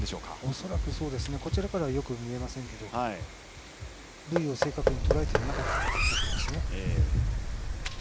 恐らくこちらからはよく見えませんが部位を正確にとらえていなかったんですね。